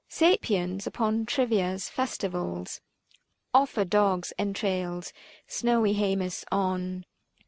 Sapaeans, upon Trivia's festivals 420 Offer dogs' entrails, snowy Haamus on.